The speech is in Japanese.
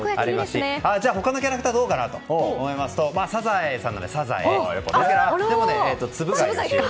他のキャラクターもどうかといいますとサザエさんのサザエ。